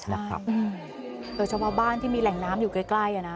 โดยเฉพาะบ้านที่มีแหล่งน้ำอยู่ใกล้